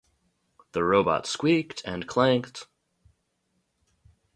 The robot squeaked and clanked.